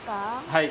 はい。